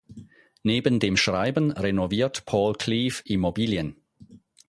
Neben dem Schreiben renoviert Paul Cleave Immobilien.